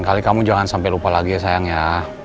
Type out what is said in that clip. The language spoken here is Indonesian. lain kali kamu jangan sampai lupa lagi ya sayang ya